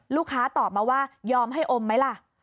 ตอบมาว่ายอมให้อมไหมล่ะ